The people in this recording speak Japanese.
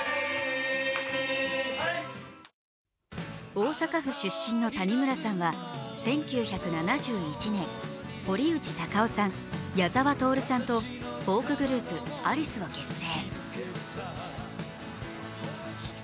大阪府出身の谷村さんは１９７１年、堀内孝雄さん、矢沢透さんとフォークグループ、アリスを結成。